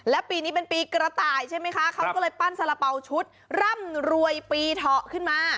และปีนี้เป็นปีกระต่ายใช่ไหมคะเขาก็เลยปั้นสารเป๋าชุดร่ำรวยปีเถาะขึ้นมา